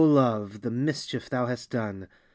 LOVE ! the mischief thou hast done !